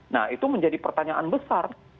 nah itu menjadi pertanyaan besar